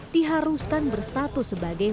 diharuskan berstatus sebagai